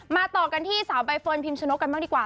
ต่อกันที่สาวใบเฟิร์นพิมชนกกันบ้างดีกว่า